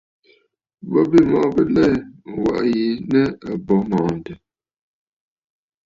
Bo bî mɔꞌɔ bɨ lɛtsù waꞌà yi nɨ̂ àbo mɔ̀ɔ̀ntə̀.